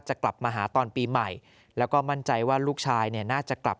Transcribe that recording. จะกลับมาหาตอนปีใหม่แล้วก็มั่นใจว่าลูกชายเนี่ยน่าจะกลับ